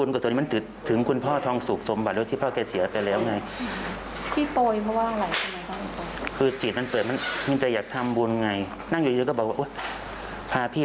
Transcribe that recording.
แล้วก็คืออยากโปรยไป